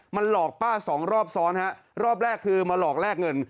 มันหลอกป้าสองรอบซ้อนฮะรอบแรกคือมาหลอกแลกเงิน